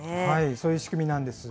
そういう仕組みなんです。